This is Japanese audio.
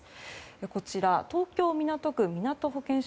こちら、東京・港区みなと保健所